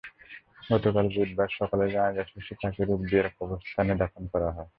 গতকাল বুধবার সকালে জানাজা শেষে তাঁকে রূপদিয়া কবরস্থানে দাফন করা হয়।